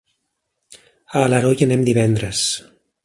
A Alaró hi anem divendres.